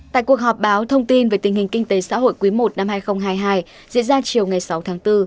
tại cuộc họp báo thông tin về tình hình kinh tế xã hội quý i năm hai nghìn hai mươi hai diễn ra chiều ngày sáu tháng bốn